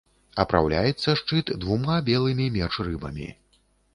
Апраўляецца шчыт двума белымі меч-рыбамі.